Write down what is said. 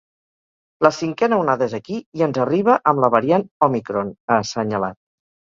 “La cinquena onada és aquí i ens arriba amb la variant òmicron”, ha assenyalat.